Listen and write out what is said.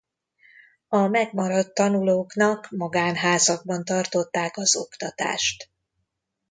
A megmaradt tanulóknak magánházakban tartották az oktatást.